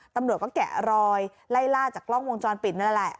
ตำรวจก็แกะรอยไล่ล่าจากกล้องวงจรปิดนั่นแหละ